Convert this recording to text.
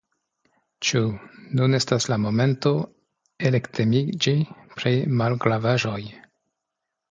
Ĉu nun estas la momento elektemiĝi pri malgravaĵoj?